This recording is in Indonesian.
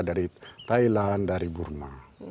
dari thailand dari burma